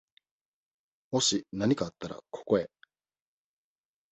もしなにかあったら、ここへ。